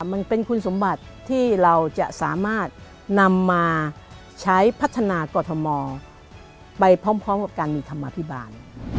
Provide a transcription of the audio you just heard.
มันเป็นคุณสมบัติที่เราจะสามารถนำมาใช้พัฒนากรทมไปพร้อมกับการมีธรรมภิบาล